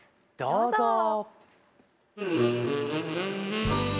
どうぞ。